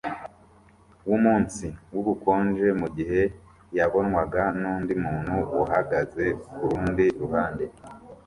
wumunsi wubukonje mugihe yabonwaga nundi muntu uhagaze kurundi ruhande